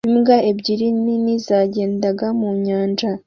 Imbwa ebyiri nini zagendaga mu nyanja